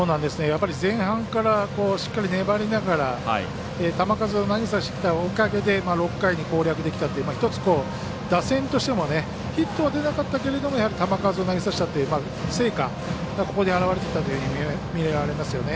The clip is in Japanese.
前半からしっかり粘りながら球数を投げさせたおかげで５回で攻略できたという、一つ打線としてもヒットは出なかったけれど球数を投げさせたという成果がここに現れてたというふうにみられますね。